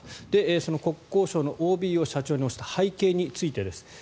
その国交省のＯＢを社長に推した背景についてです。